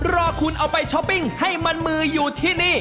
รอคุณเอาไปช้อปปิ้งให้มันมืออยู่ที่นี่